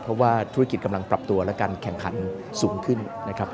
เพราะว่าธุรกิจกำลังปรับตัวและการแข่งขันสูงขึ้นนะครับ